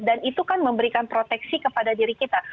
dan itu kan memberikan proteksi kepada diri kita